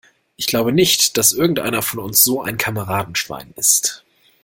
Ich glaube nicht, dass irgendeiner von uns so ein Kameradenschwein ist.